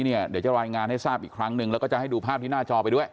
เดี๋ยวจะรายงานให้ทราบอีกครั้งหนึ่งแล้วก็จะให้ดูภาพที่หน้าจอไปด้วย